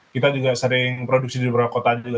kita juga sering produksi di beberapa kota juga